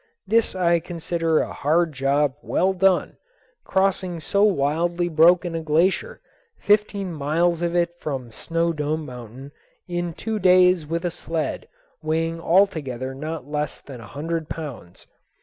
This I consider a hard job well done, crossing so wildly broken a glacier, fifteen miles of it from Snow Dome Mountain, in two days with a sled weighing altogether not less than a hundred pounds.